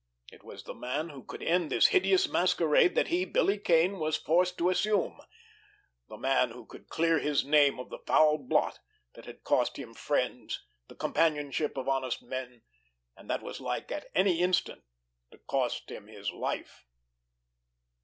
It was the man who could end this hideous masquerade that he, Billy Kane, was forced to assume; the man who could clear his name of the foul blot that had cost him friends, the companionship of honest men, and that was like at any instant to cost him his life.